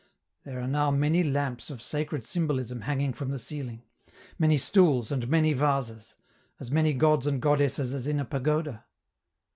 There are now many lamps of sacred symbolism hanging from the ceiling; many stools and many vases, as many gods and goddesses as in a pagoda.